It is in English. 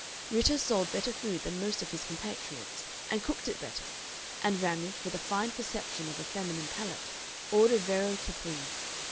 Ritter sold better food than most of his compatriots, and cooked it better, and Ramage, with a fine perception of a feminine palate, ordered Vero Capri.